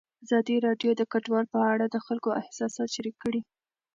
ازادي راډیو د کډوال په اړه د خلکو احساسات شریک کړي.